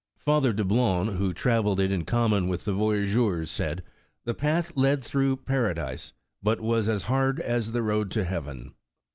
Father Dablon, who traveled it in common with the voyageurs, said ''the path led through para dise, but was as hard as the road to heaven."